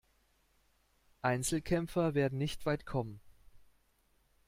Einzelkämpfer werden nicht weit kommen.